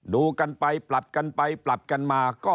ดูกันไปปรับกันไปปรับกันมา